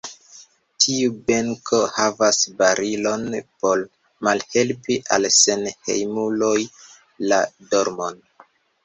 Tiu benko havas barilon por malhelpi al senhejmuloj la dormon.